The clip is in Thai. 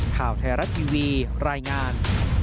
ข่าวไทยรัฐทีวีรายงาน